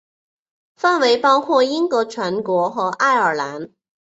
范围包括英国全国和爱尔兰。